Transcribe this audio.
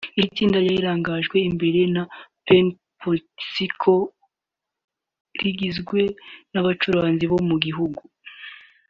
Iryo tsinda ryari rirangajwe imbere na Penny Pritzker rigizwe n’abacuruzi bo mu gihugu